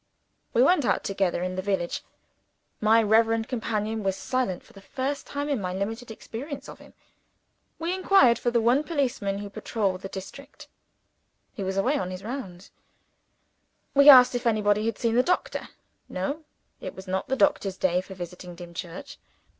We went out together into the village. My reverend companion was silent for the first time in my limited experience of him. We inquired for the one policeman who patrolled the district. He was away on his rounds. We asked if anybody had seen the doctor. No: it was not the doctor's day for visiting Dimchurch.